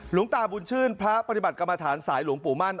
หลวงตาบุญชื่นพระปฏิบัติกรรมฐานสายหลวงปู่มั่น